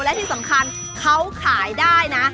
และที่สำคัญเขาขายได้นะ